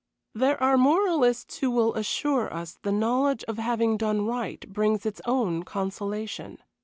There are moralists who will assure us the knowledge of having done right brings its own consolation.